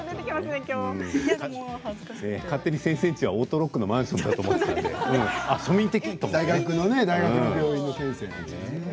勝手に先生のうちはオートロックのマンションだと思っていたんですけど庶民的。